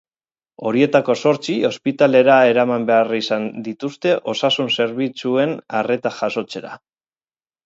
Horietako zortzi ospitalera eraman behar izan dituzte osasun-zerbitzuen arreta jasotzera.